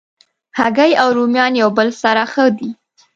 هګۍ او رومیان یو بل سره ښه دي.